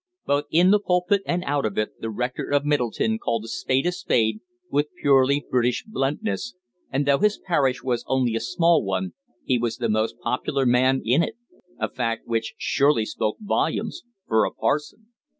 Both in the pulpit and out of it the rector of Middleton called a spade a spade with purely British bluntness, and though his parish was only a small one he was the most popular man in it a fact which surely spoke volumes for a parson.